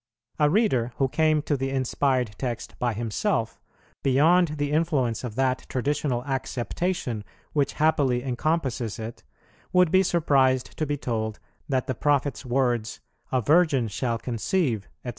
A reader who came to the inspired text by himself, beyond the influence of that traditional acceptation which happily encompasses it, would be surprised to be told that the Prophet's words, "A virgin shall conceive," &c.